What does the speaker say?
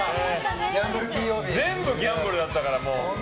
全部ギャンブルだったから。